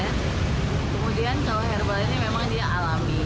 kemudian kalau herbal ini memang dia alami